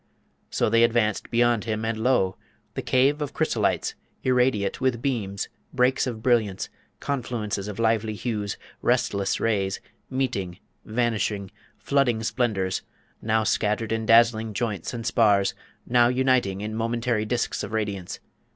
So they advanced beyond him, and lo! the Cave of Chrysolites irradiate with beams, breaks of brilliance, confluences of lively hues, restless rays, meeting, vanishing, flooding splendours, now scattered in dazzling joints and spars, now uniting in momentary disks of radiance.